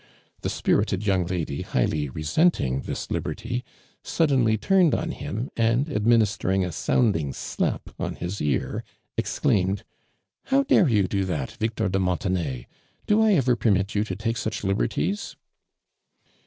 The spirited young lady, iiighly resenting •this liberty, suddenly turnecl on him. and administering a sounding slap on his ear. exclaimed :" iiow dare you do that, Victor de Mon tenay? Do I ever permit you to take such liberties?"